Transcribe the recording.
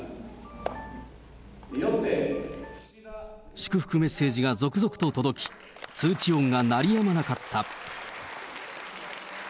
祝福メッセージが続々と届き、通知音が鳴りやまなかった。